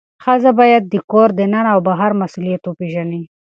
ښځه باید د کور دننه او بهر مسؤلیت وپیژني.